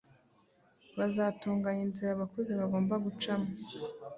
bazatunganya inzira abakuze bagomba gucamo,